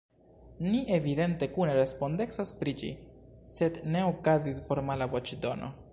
Ni evidente kune respondecas pri ĝi, sed ne okazis formala voĉdono.